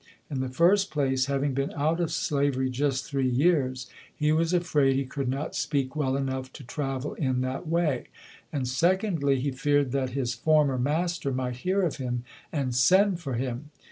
In the first place, having been out of slavery just three years, he was afraid he could not speak well enough to travel in that way; and, secondly, he feared that his former mas ter might hear of him and send for him.